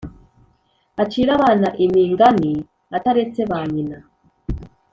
Acire abana imingani ataretse ba nyina